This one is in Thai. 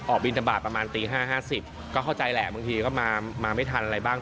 บินทบาทประมาณตี๕๕๐ก็เข้าใจแหละบางทีก็มาไม่ทันอะไรบ้าง